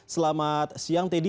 selamat siang teddy